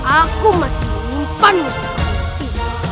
aku masih menyimpanmu di hati